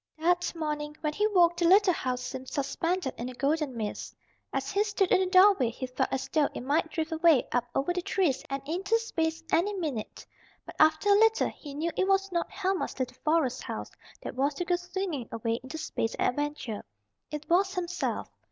That morning when he woke the little house seemed suspended in a golden mist. As he stood in the doorway he felt as though it might drift away up over the trees and into space any minute. But after a little he knew it was not Helma's little forest house that was to go swinging away into space and adventure, it was himself.